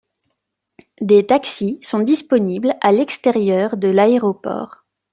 Des taxis sont disponibles à l'extérieur de l'aéroport.